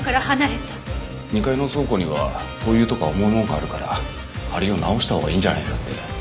２階の倉庫には灯油とか重いものがあるから梁を直したほうがいいんじゃないかって。